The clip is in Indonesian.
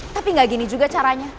tapi nggak gini juga caranya